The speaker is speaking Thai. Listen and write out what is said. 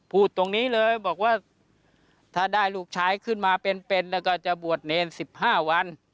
พูดตรงนี้เลยบอกว่าถ้าได้ลูกชายขึ้นมาเป็นแล้วก็จะบวชเนร๑๕วัน